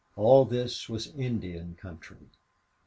All this was Indian country.